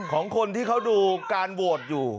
ของคนที่เขาดูการโหวตอยู่